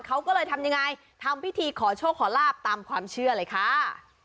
เขาก็เลยทำยังไงทำพิธีขอโชคขอลาบตามความเชื่อเลยค่ะ